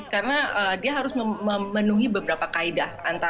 karena dia harus memenuhi beberapa kaedah